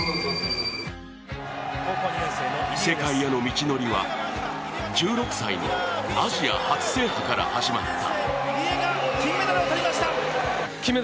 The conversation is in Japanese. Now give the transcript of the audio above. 世界への道のりは１６歳のアジア初制覇から始まった。